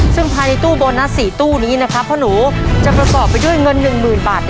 ซึ่งภายในตู้โบนัส๔ตู้นี้นะครับพ่อหนูจะประกอบไปด้วยเงิน๑๐๐๐บาท